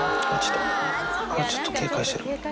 ちょっと警戒してる。